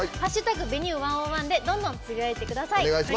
「＃Ｖｅｎｕｅ１０１」でどんどんつぶやいてください。